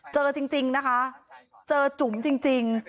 เจอจริงจริงนะคะเจอจุ๋มจริงจริง